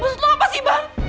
maksud lu apa sih bang